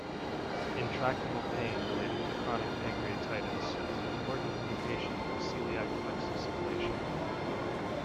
Intractable pain related to chronic pancreatitis is an important indication for celiac plexus ablation.